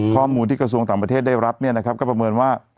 ข้อมูลที่กระทรวงต่างประเทศได้รับเนี่ยนะครับก็ประเมินว่า